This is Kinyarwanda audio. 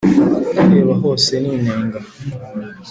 nkireba hose ninenga